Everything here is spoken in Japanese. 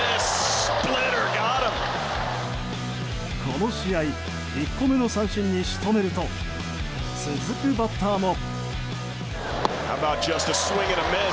この試合１個目の三振に仕留めると続くバッターも。